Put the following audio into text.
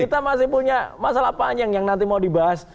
kita masih punya masalah panjang yang nanti mau dibahas